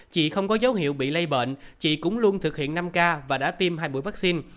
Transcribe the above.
chị không có dấu hiệu bị lây bệnh chị cũng luôn thực hiện năm k và đã tiêm hai buổi vaccine